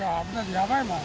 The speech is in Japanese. やばいもん。